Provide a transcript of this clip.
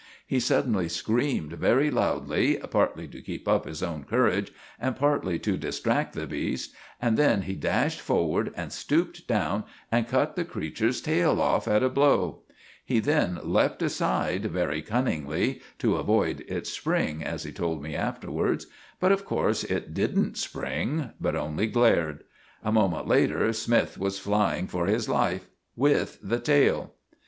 He suddenly screamed very loudly, partly to keep up his own courage, and partly to distract the beast, and then he dashed forward, and stooped down and cut the creature's tail off at a blow! He then leapt aside very cunningly—to avoid its spring, as he told me afterwards; but of course it didn't spring, but only glared. A moment later Smythe was flying for his life—with the tail!